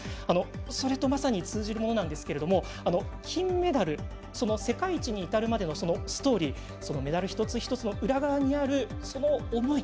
それとまさに通じるものなんですが金メダル世界一にいたるまでのストーリーそのメダル一つ一つの裏側にあるその思い